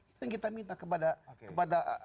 itu yang kita minta kepada